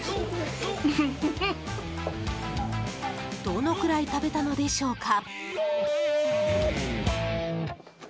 どのくらい食べたのでしょうか。